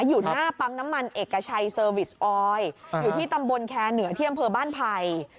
อยู่หน้าปั๊มน้ำมันเอกชัยเซอร์วิสออยอยู่ที่ตำบลแคร์เหนือที่อำเภอบ้านไผ่